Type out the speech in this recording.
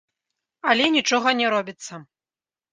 Але нічога не робіцца.